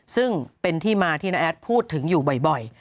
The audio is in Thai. ซึ่งเป็นที่มาที่น้าแอดพูดถึงอยู่บ่อย